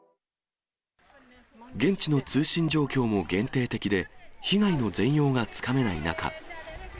現地の通信状況も限定的で、被害の全容がつかめない中。